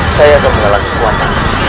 saya akan mengalami kekuatan